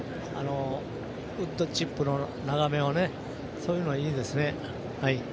ウッドチップの斜めをそういうのがいいですね。